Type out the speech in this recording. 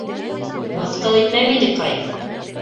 Мыҫҡыл итмә мине, Кай.